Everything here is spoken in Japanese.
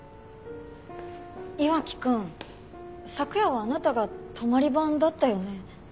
岩城くん昨夜はあなたが泊まり番だったよね？